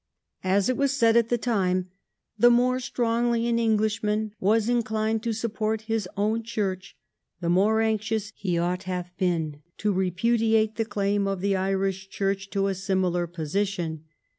As it was said at the time, "the more strongly an Englishman was in clined to support his own Church, the more anx ious he ought to have been to repudiate the claim of the Irish Church to a similar position.